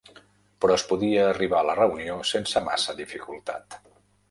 Però es podia arribar a la reunió sense massa dificultat.